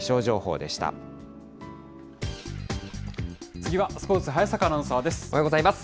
次はスポーツ、早坂アナウンサーです。